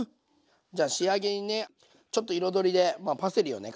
じゃあ仕上げにねちょっと彩りでパセリをね